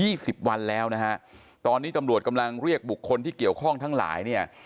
สิบวันแล้วนะฮะตอนนี้ตำรวจกำลังเรียกบุคคลที่เกี่ยวข้องทั้งหลายเนี่ย